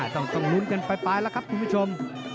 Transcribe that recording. ต้องลุ้นกันไปแล้วครับคุณผู้ชม